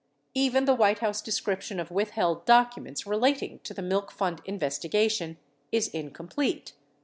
Even the White House, description of withheld documents relating to the milk fund investigation is incomplete.